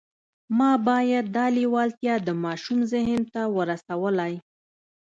ما باید دا لېوالتیا د ماشوم ذهن ته ورسولای